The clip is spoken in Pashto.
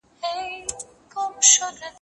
ژوند دی خوندور دی زړور دی جنګور دی موږ ټول ځوروي .